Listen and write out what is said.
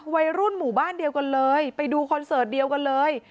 วัยรุ่นหมู่บ้านเดียวกันเลยไปดูคอนเสิร์ตเดียวกันเลย